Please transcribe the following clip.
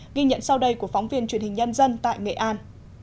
ghi nhận sau đây của phóng viên truyền hình nhân dân tại nghệ an